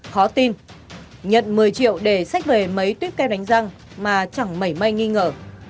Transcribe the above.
khó tin nhận một mươi triệu để sách về mấy tuyếp ke đánh răng mà chẳng mẩy may nghi ngờ